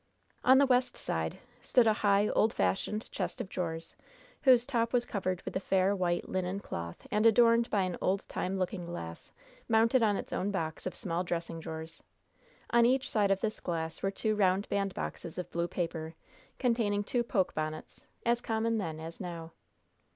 On the west side stood a high, old fashioned chest of drawers, whose top was covered with a fair, white, linen cloth, and adorned by an old time looking glass mounted on its own box of small dressing drawers. On each side of this glass were two round bandboxes of blue paper, containing two poke bonnets, as common then as now.